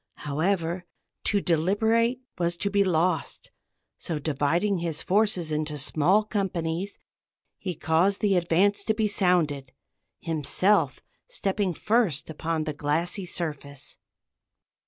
However, to deliberate was to be lost; so, dividing his forces into small companies, he caused the advance to be sounded, himself stepping first upon the glassy surface.